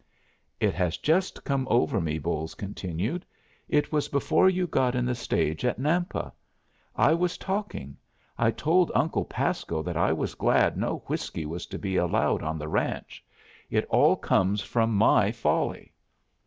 "It has just come over me," Bolles continued. "It was before you got in the stage at Nampa. I was talking. I told Uncle Pasco that I was glad no whiskey was to be allowed on the ranch. It all comes from my folly!"